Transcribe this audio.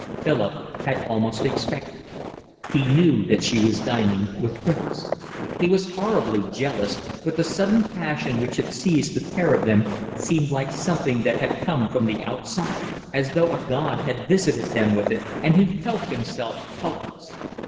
Philip had almost expected it. He knew that she was dining with Griffiths. He was horribly jealous, but the sudden passion which had seized the pair of them seemed like something that had come from the outside, as though a god had visited them with it, and he felt himself helpless.